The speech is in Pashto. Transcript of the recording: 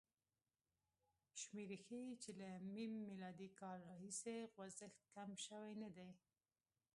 شمېرې ښيي چې له م کال راهیسې خوځښت کم شوی نه دی.